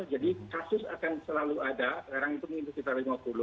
jadi kasus akan selalu ada sekarang itu mungkin sekitar lima puluh